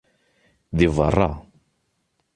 Di beṛṛa.